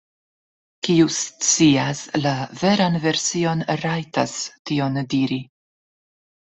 Kiu scias la veran version, rajtas tion diri.